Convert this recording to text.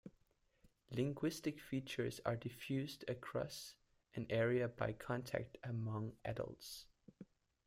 Linguistic features are diffused across an area by contacts among adults.